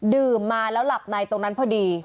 ดื่มมาแล้วหลับในตรงนั้นพอดี